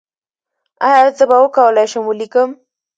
ایا زه به وکولی شم ولیکم؟